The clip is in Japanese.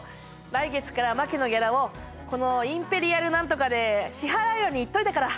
来月から麻貴のギャラをこのインペリアル何とかで支払うように言っといたから。